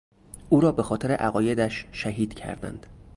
او را به خاطر عقایدش شهید کردند.